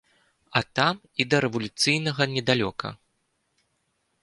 А там і да дарэвалюцыйнага недалёка!